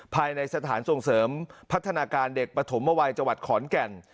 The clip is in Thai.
ภายในสถานส่งเสริมพัฒนาการเด็กปฐมวัยจังหวัดขอนแก่น